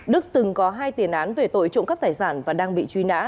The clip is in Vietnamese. đức từng có hai tiền án về tội trộm cắp tài sản và đang bị truy nã